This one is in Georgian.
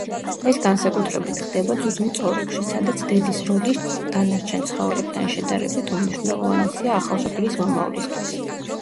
ეს განსაკუთრებით ხდება ძუძუმწოვრებში, სადაც დედის როლი დანარჩენ ცხოველებთან შედარებით უმნიშვნელოვანესია ახალშობილის მომავლისთვის.